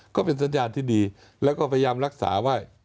ก็เป็นสัญญาณที่ดีแล้วก็พยายามรักษาไว้